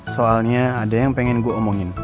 soalnya ada yang pengen gue omongin